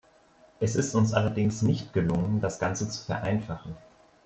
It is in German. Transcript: Es ist uns allerdings nicht gelungen, das Ganze zu vereinfachen.